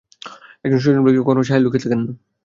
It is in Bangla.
একজন সজ্জন ব্যক্তি কখনও ছায়ায় লুকিয়ে থাকেন না।